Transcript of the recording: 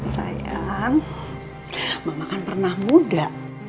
sayang mama kan pernah muda